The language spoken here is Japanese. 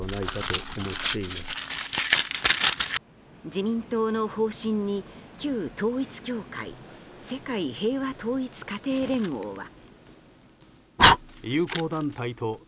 自民党の方針に旧統一教会世界平和統一家庭連合は。